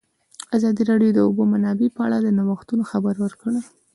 ازادي راډیو د د اوبو منابع په اړه د نوښتونو خبر ورکړی.